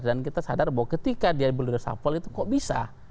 dan kita sadar bahwa ketika dia belum disahkan itu kok bisa